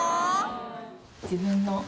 自分の。